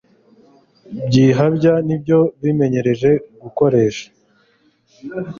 byihabya niyo bimenyereje gukoresha